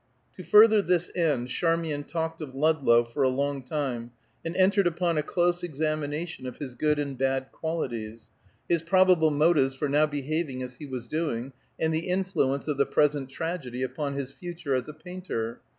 To further this end Charmian talked of Ludlow for a long time, and entered upon a close examination of his good and bad qualities; his probable motives for now behaving as he was doing, and the influence of the present tragedy upon his future as a painter.